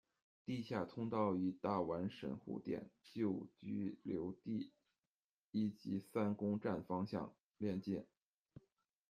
地下通道与大丸神户店、旧居留地以及三宫站方向连接。